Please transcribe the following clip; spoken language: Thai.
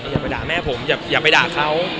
อย่าไปด่าแม่ผมอย่าไปด่าเขา